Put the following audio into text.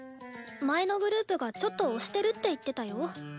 前のグループがちょっと押してるって言ってたよ。